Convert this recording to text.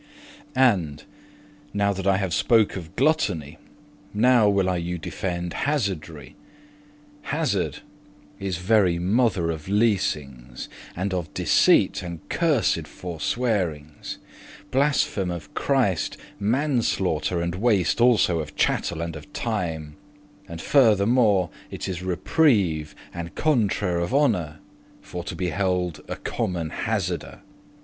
And, now that I have spoke of gluttony, Now will I you *defende hazardry.* *forbid gambling* Hazard is very mother of leasings,* *lies And of deceit, and cursed forswearings: Blasphem' of Christ, manslaughter, and waste also Of chattel* and of time; and furthermo' *property It is repreve,* and contrar' of honour, *reproach For to be held a common hazardour.